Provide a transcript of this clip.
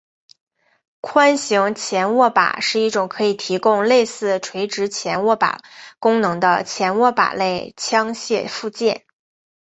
宽型前握把是一种可以提供类似垂直前握把功能的前握把类枪械附件。